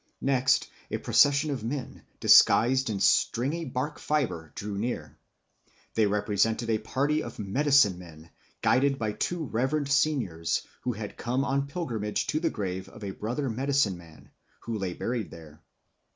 Next, a procession of men, disguised in stringy bark fibre, drew near. They represented a party of medicine men, guided by two reverend seniors, who had come on pilgrimage to the grave of a brother medicine man, who lay buried there.